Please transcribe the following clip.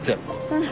うん。